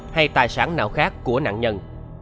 hay tài sản nào khác của nạn nhân